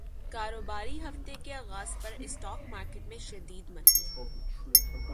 کاروباری ہفتے کے اغاز پر اسٹاک مارکیٹ میں شدید مندی